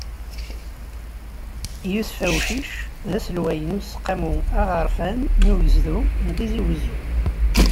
Yusef Awcic, d aselway n useqqamu aɣerfan n ugezdu n Tizi Uzzu.